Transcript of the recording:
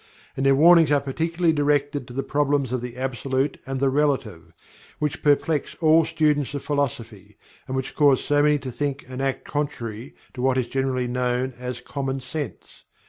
And their warnings are particularly directed to the problems of the Absolute and the Relative, which perplex all students of philosophy, and which cause so many to think and act contrary to what is generally known as "common sense."